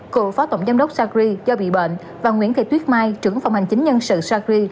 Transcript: cựu phó tổng giám đốc sacri do bị bệnh và nguyễn thị tuyết mai trưởng phòng hành chính nhân sự sacri